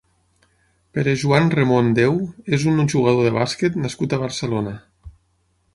Pere Joan Remón Déu és un jugador de bàsquet nascut a Barcelona.